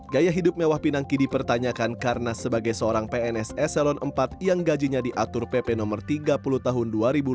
gaya hidup mewah pinangki dipertanyakan karena sebagai seorang pns eselon iv yang gajinya diatur pp no tiga puluh tahun dua ribu dua puluh